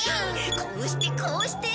こうしてこうして。